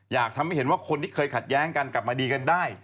อยากให้เห็นว่าคนที่เคยขัดแย้งกันกลับมาดีกันได้